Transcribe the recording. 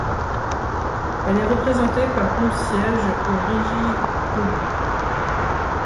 Elle est représentée par onze sièges au Riigikogu.